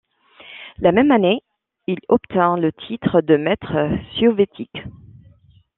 La même année, il obtint le titre de maître soviétique.